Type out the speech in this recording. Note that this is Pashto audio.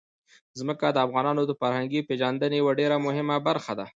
ځمکه د افغانانو د فرهنګي پیژندنې یوه ډېره مهمه برخه ده.